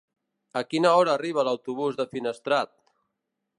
A quina hora arriba l'autobús de Finestrat?